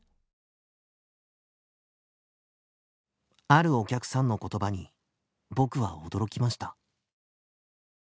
あるお客さんの言葉に僕は驚きました